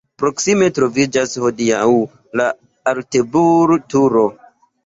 Proksime troviĝas hodiaŭ la Alteburg-turo.